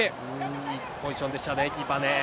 いいポジションでしたね、キーパーね。